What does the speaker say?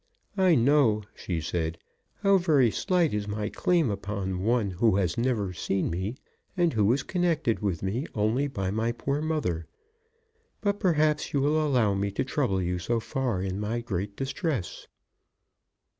"I know," she said, "how very slight is my claim upon one who has never seen me, and who is connected with me only by my poor mother; but perhaps you will allow me to trouble you so far in my great distress."